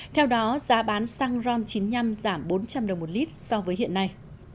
theo đó giá bán xăng ron chín mươi năm giảm bốn trăm linh đồng một lít so với hiện nay